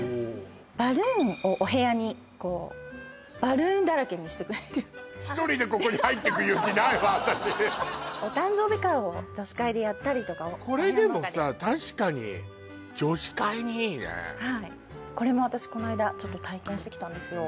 バルーンをお部屋にこうバルーンだらけにしてくれる１人でここに入っていく勇気ないわ私お誕生日会を女子会でやったりとかお部屋の中でこれでもさ確かに女子会にいいねはいこれも私こないだちょっと体験してきたんですよ